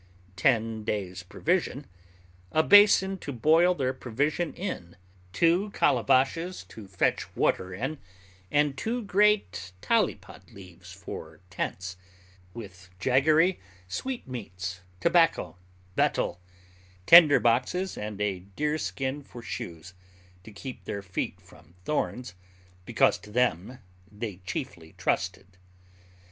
ten days' provision, a basin to boil their provision in, two calabashes to fetch water in, and two great tallipat leaves for tents, with jaggery, sweetmeats, tobacco, betel, tinder boxes, and a deerskin for shoes, to keep their feet from thorns, because to them they chiefly trusted.